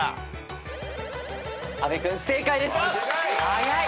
早い！